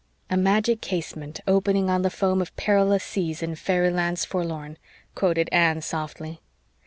"A magic casement opening on the foam Of perilous seas in fairy lands forlorn," quoted Anne softly.